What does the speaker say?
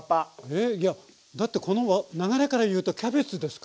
えいやだってこの流れから言うとキャベツですか？